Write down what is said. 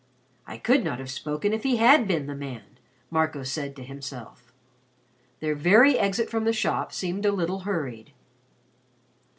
"I could not have spoken if he had been the man," Marco said to himself. Their very exit from the shop seemed a little hurried.